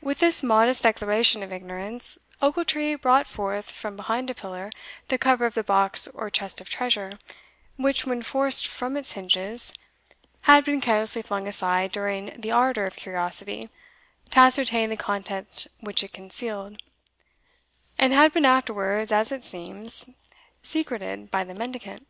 With this modest declaration of ignorance, Ochiltree brought forth from behind a pillar the cover of the box or chest of treasure, which, when forced from its hinges, had been carelessly flung aside during the ardour of curiosity to ascertain the contents which it concealed, and had been afterwards, as it seems, secreted by the mendicant.